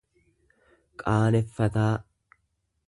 qaaneffataa.